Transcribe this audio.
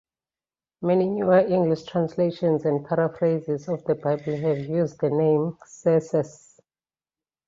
Many newer English translations and paraphrases of the Bible have used the name Xerxes.